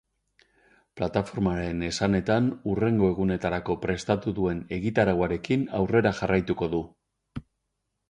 Plataformaren esanetan, hurrengo egunetarako prestatu duen egitarauarekin aurrera jarraituko du.